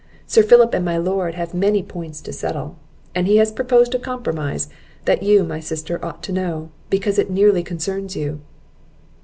Sir Philip and my lord have many points to settle; and he has proposed a compromise, that you, my sister, ought to know, because it nearly concerns you."